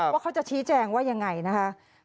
ว่าเขาจะชี้แจงว่ายังไงนะคะ